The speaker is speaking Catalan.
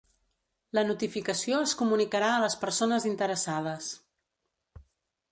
La notificació es comunicarà a les persones interessades.